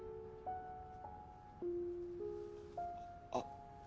あっ！